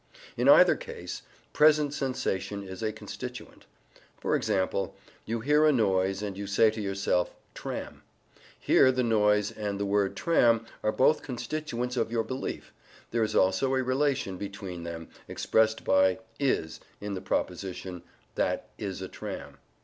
In either case, present sensation is a constituent. For example, you hear a noise, and you say to yourself "tram." Here the noise and the word "tram" are both constituents of your belief; there is also a relation between them, expressed by "is" in the proposition "that is a tram."